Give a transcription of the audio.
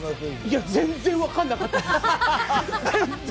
全然わからなかったです。